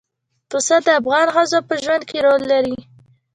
پسه د افغان ښځو په ژوند کې رول لري.